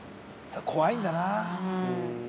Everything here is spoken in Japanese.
怖いんだな。